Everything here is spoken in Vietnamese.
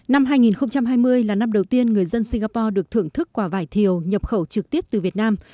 năm hai nghìn hai mươi là năm đầu tiên người dân singapore được thưởng thức quả vải thiều nhập khẩu trực tiếp từ việt nam